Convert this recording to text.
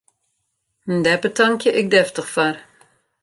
Dêr betankje ik deftich foar!